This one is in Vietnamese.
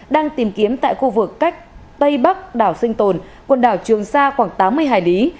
đang tìm kiếm tại khu vực cách tây bắc đảo sinh tồn quần đảo trường sa khoảng tám mươi hải lý